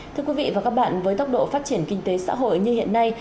thưa quý vị và các bạn với tốc độ phát triển kinh tế xã hội như hiện nay